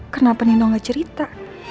kenapa nino gak cerita